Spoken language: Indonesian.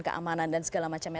keamanan dan segala macamnya